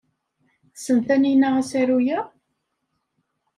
Tessen Taninna asaru-a?